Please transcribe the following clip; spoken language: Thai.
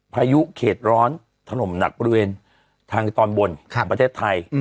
พายุเขตร้อนถล่มหนักบริเวณทางตอนบนของประเทศไทย